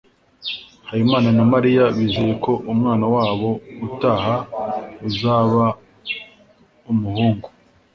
habimana na mariya bizeye ko umwana wabo utaha azaba umuhungu